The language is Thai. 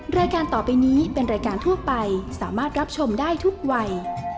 รายการต่อไปนี้เป็นรายการทั่วไปสามารถรับชมได้ทุกวัย